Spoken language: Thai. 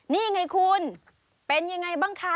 นี่ไงคุณเป็นยังไงบ้างคะ